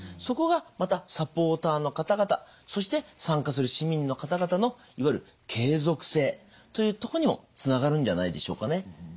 そこがまたサポーターの方々そして参加する市民の方々のいわゆる継続性というとこにもつながるんじゃないでしょうかね。